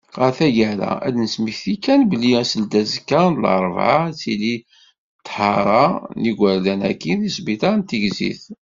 Ɣer taggara, ad d-nesmekti kan belli seldazekka n larebɛa, ad tili ṭṭhara n yigerdan-agi deg ssbiṭer n Tigzirt.